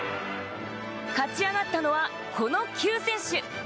勝ち上がったのはこの９選手！